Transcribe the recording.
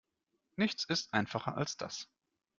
Nichts ist einfacher als das.